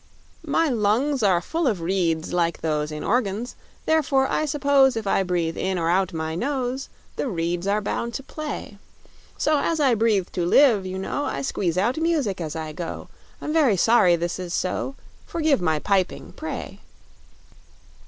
My lungs are full of reeds like those In organs, therefore I suppose, If I breathe in or out my nose, The reeds are bound to play. So as I breathe to live, you know, I squeeze out music as I go; I'm very sorry this is so Forgive my piping, pray!